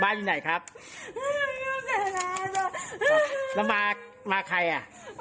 บ้านอยู่ไหนครับแล้วมาใครอ่ะ